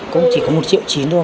cũng chỉ có một triệu chín thôi